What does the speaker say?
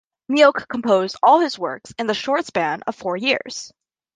Mielck composed all his works in the short span of four years.